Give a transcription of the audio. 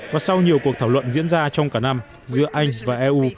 và sau nhiều cuộc thảo luận diễn ra trong cả năm giữa anh và eu